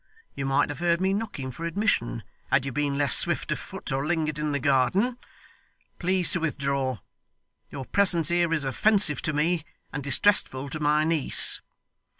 You might have heard me knocking for admission, had you been less swift of foot, or lingered in the garden. Please to withdraw. Your presence here is offensive to me and distressful to my niece.